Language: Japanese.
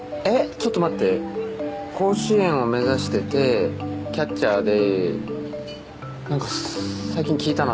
ちょっと待って甲子園を目指しててキャッチャーでなんか最近聞いたな